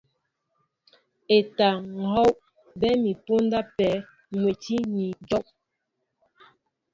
E᷇ taa, ŋ̀ hów, bé mi póndá pē mwɛ́ti ni ajow.